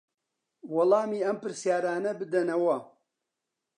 وەڵامی ئەم پرسیارانە بدەنەوە